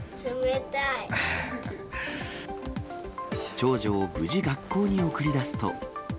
長女を無事学校に送り出すと。